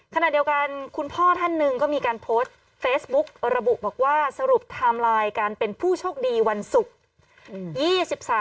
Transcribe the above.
คุณพ่อท่านหนึ่งก็มีการโพสต์เฟซบุ๊กระบุบอกว่าสรุปไทม์ไลน์การเป็นผู้โชคดีวันศุกร์